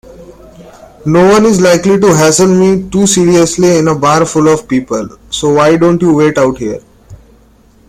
Noone is likely to hassle me too seriously in a bar full of people, so why don't you wait out here?